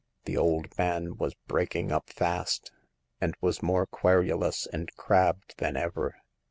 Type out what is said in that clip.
The old man was breaking up fast, and was more querulous and crabbed than ever.